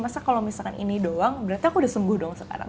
masa kalau misalkan ini doang berarti aku udah sembuh dong sekarang